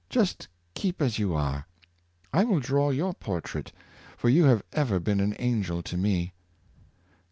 just keep as you are; I will draw your portrait, for you have ever been an angel to me."